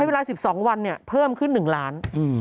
ให้เวลา๑๒วันเนี่ยเพิ่มขึ้น๑ล้าน